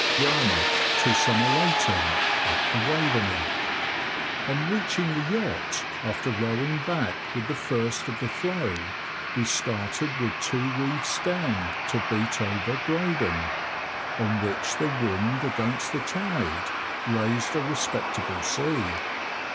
YARMOUTH TO SOMERLEYTON. [Picture: Decorative drop capital] On reaching the yacht, after rowing back with the first of the flow, we started with two reefs down to beat over Breydon, on which the wind against the tide raised a respectable sea.